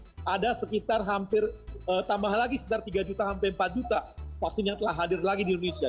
ada sekitar hampir tambah lagi sekitar tiga juta sampai empat juta vaksin yang telah hadir lagi di indonesia